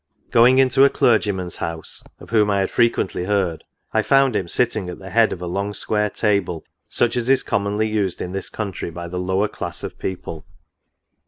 Going into a clergyman's house (of whom I had frequently heard) I found him sitting at the head of a long square table, such as is commonly used in this country by the lower class of people, E 50 NOTES.